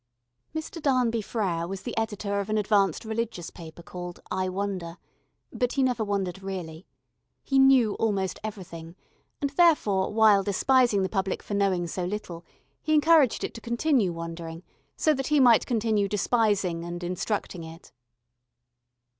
Mr. Darnby Frere was the editor of an advanced religious paper called I Wonder, but he never wondered really. He knew almost everything, and therefore, while despising the public for knowing so little, he encouraged it to continue wondering, so that he might continue despising and instructing it.